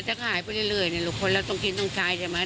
ก็จะขายไปเรื่อยเนี่ยลูกคนแล้วต้องกินต้องใช้ใช่มั้ย